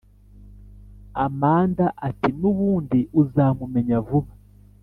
amanda ati"nubundi uzamumenya vuba